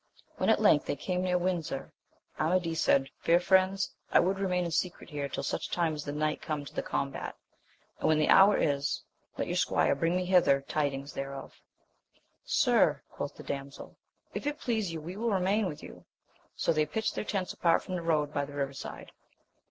When at length they came near Windsor, Amadis said, fair friends, I would remain in secret here till such time as the knight come to the combat, and, when the hour is, let your squire bring me hither tidings thereof. Sir, quoth the damsel, if it please you we will remain with you ; so they pitched their tents apart from the road, by the river side.